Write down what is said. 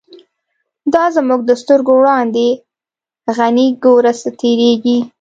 دا زمونږ د سترگو وړاندی «غنی» گوره څه تیریږی